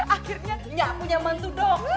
akhirnya nyak punya mantu dokter